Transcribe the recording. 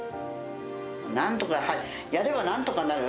なんとか、やればなんとかなる。